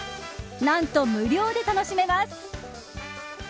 何と、無料で楽しめます。